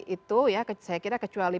itu ya saya kira kecuali